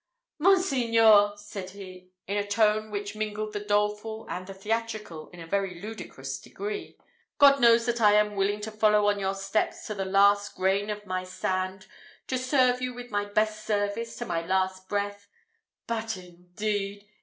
"Monseigneur," said he, in a tone which mingled the doleful and the theatrical in a very ludicrous degree, "God knows that I am willing to follow on your steps to the last grain of my sand, to serve you with my best service to my last breath but indeed!